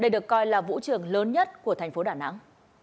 đây được coi là vũ trường lớn nhất của thành phố đà nẵng